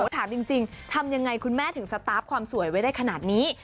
ถามจริงทำยังไงคุณแม่ถึงสตาร์ฟความสวยไว้ได้ขนาดนี้